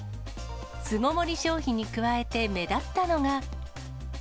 巣ごもり消費に加えて目立ったのが。